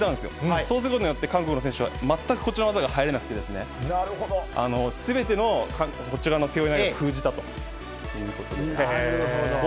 そうすることによって、韓国の選手は全くこちらの技が入れなくて、すべてのこちらの背負い投げを封なるほど。